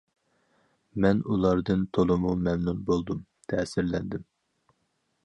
مەن ئۇلاردىن تولىمۇ مەمنۇن بولدۇم، تەسىرلەندىم.